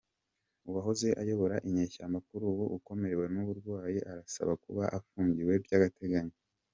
Uwahoze ayobora inyeshyamba kuri ubu ukomerewe n’uburwayi arasaba kuba afunguwe by’agateganyo